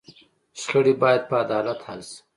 شخړې باید په عدالت حل شي.